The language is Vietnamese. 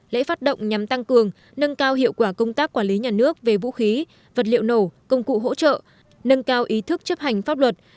lễ phát động nhằm tăng cường nâng cao hiệu quả công tác quản lý nhà nước về vũ khí vật liệu nổ công cụ hỗ trợ nâng cao ý thức chấp hành pháp luật